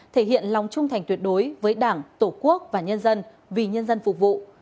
thể hiện lòng trung thành tuyệt đối với đảng tổ quốc và nhân dân vì nhân dân phục vụ